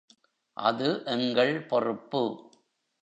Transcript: அது எங்கள் பொறுப்பு.